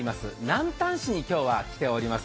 南丹市に今日は来ております。